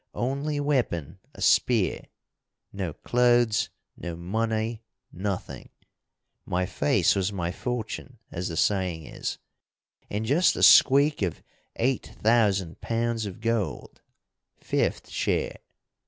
Only weapon, a spear. No clothes, no money. Nothing. My face was my fortune, as the saying is. And just a squeak of eight thousand pounds of gold fifth share.